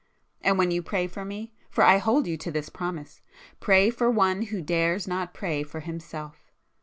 And when you pray for me—for I hold you to this promise,—pray for one who dares not pray for himself!